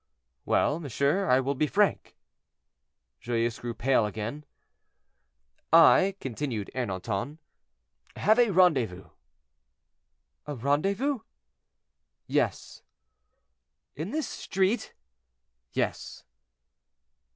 "Well; monsieur, I will be frank." Joyeuse grew pale again. "I," continued Ernanton, "have a rendezvous." "A rendezvous?" "Yes." "In this street?" "Yes."